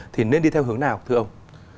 thì nên đi theo hướng nào thưa ông